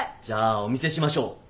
じゃあお見せしましょう。